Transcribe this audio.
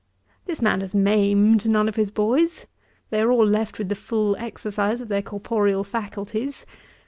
This man has maimed none of his boys. They are all left with the full exercise of their corporeal faculties.